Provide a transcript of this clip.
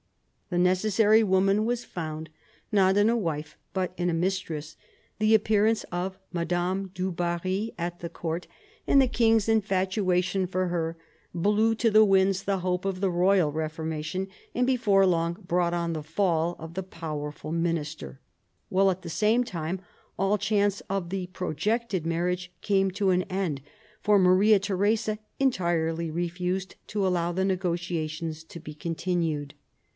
The necessary woman was found, not in a wife, but in a mistress. The appearance of Madame du Barry at the court, and the king's infatuation for 3 / 222 THE CO REGENTS chap, x her, blew to the winds the hope of the royal reformation, and before long brought on the fall of the powerful minister ; while at the same time all chance of the pro jected marriage came to an end, for Maria Theresa en tirely refused to allow the negotiations to be continued.